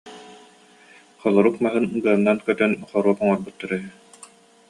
Холорук маһын быанан көтөн хоруоп оҥорбуттара үһү